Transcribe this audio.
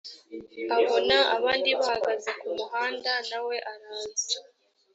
abona abandi bahagaze ku muhanda na we araza